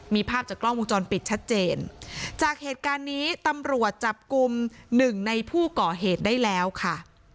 มีภาพจากกล้องวงจรปิดชัดเจนจากเหตุการณ์นี้ตำรวจจับกลุ่มหนึ่งในผู้ก่อเหตุได้แล้วค่ะ